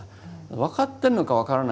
分かってるのか分からないのか